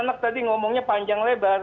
anak tadi ngomongnya panjang lebar